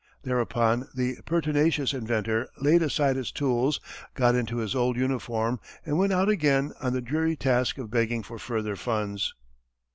Thereupon the pertinacious inventor laid aside his tools, got into his old uniform, and went out again on the dreary task of begging for further funds.